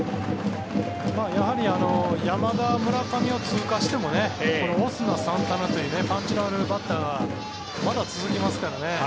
やはり山田、村上を通過してもこのオスナ、サンタナというパンチのあるバッターがまだ続きますからね。